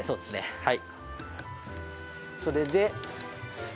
はい。